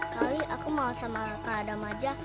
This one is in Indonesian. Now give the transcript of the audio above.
kali aku males sama adam aja